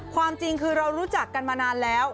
ความจริงคือเรารู้จักกันมานานแล้ว